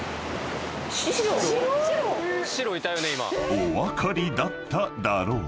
［お分かりだっただろうか？］